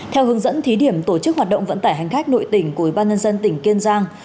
theo hướng dẫn thí điểm tổ chức hoạt động vận tải hành khách nội tỉnh của bà nân dân tỉnh kiên giang